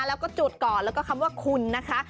แล้วก็จุดก่อนแล้วก็คำว่าคุณนะคะ